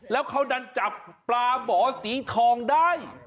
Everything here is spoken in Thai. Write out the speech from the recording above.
แล้วเขาดันจับปลาหมอสีทองได้